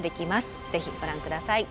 ぜひご覧下さい。